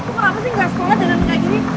lu kenapa sih gak sekolah dan gak gini